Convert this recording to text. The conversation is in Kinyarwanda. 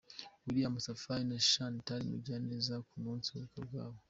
William Safari na Chantal Mugiraneza ku munsi w'ubukwe bwabo.